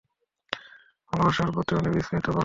ভালোবাসার প্রতি উনি বিস্মৃতি-পরায়ণ।